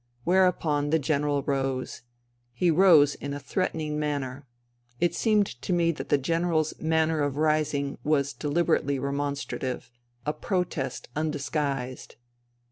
Whereupon the General rose. He rose in a threat ening manner. It seemed to me that the General's manner of rising was deliberately remonstrative, a protest undisguised.